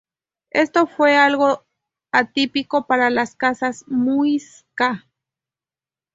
Esto fue algo atípico para las casas Muisca.